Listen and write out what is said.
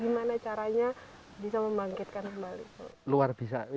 gimana caranya bisa membangkitkan kembali